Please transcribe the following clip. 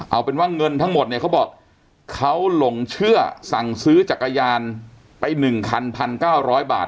เอาเป็นว่าเงินทั้งหมดเนี่ยเขาบอกเขาหลงเชื่อสั่งซื้อจักรยานไป๑คัน๑๙๐๐บาท